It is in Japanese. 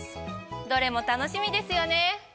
どれも楽しみですよね。